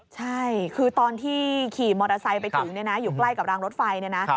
ใช่ตอนที่ขี่มอเตอร์ไซต์ไปถึงอยู่ใกล้กับร้างรถไฟ